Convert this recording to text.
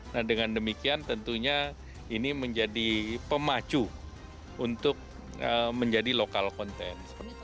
nah dengan demikian tentunya ini menjadi pemacu untuk menjadi lokal konten